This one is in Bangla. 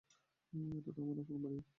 এটা তো আমার আপন বাড়িই!